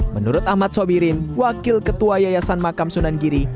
menurut ahmad sobirin wakil ketua yayasan makam sunan giri